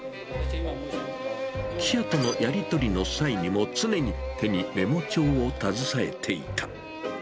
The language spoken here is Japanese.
記者とのやり取りの際にも、常に手にメモ帳を携えていた。